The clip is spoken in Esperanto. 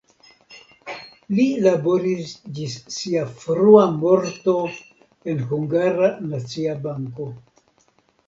Li laboris ĝis sia frua morto en Hungara Nacia Banko.